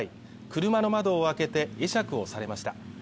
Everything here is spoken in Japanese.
車の窓を開けて会釈されました